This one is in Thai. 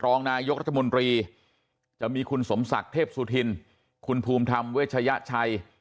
รองนายกรัฐมนตรีจะมีคุณสมศักดิ์เทพสุธินคุณภูมิธรรมเวชยชัย